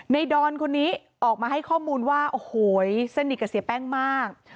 ดอนคนนี้ออกมาให้ข้อมูลว่าโอ้โหสนิทกับเสียแป้งมาก